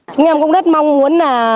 chúng em cũng rất mong muốn